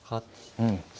うん。